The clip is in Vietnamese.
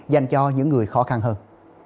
dành cho những người khó khăn hơn